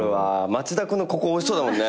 町田君のここおいしそうだもんね。